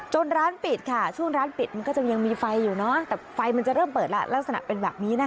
ร้านปิดค่ะช่วงร้านปิดมันก็จะยังมีไฟอยู่เนอะแต่ไฟมันจะเริ่มเปิดแล้วลักษณะเป็นแบบนี้นะคะ